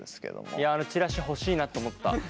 いやあのチラシ欲しいなと思った。